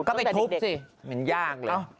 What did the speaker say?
ก็ไปทุบสิมันยากเหรอ